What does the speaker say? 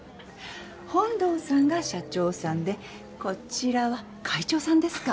本藤さんが社長さんでこちらは会長さんですか？